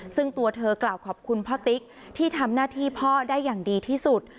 ซึ่งตัวเธอกล่าวขอบคุณพ่อติ๊กที่ทำหน้าที่พ่อได้อย่างดีที่สุด